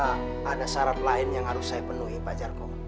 ada syarat lain yang harus saya penuhi pak jargo